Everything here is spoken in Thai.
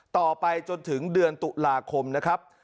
ต่อไปจนถึงเดือนตุลาคมนะครับ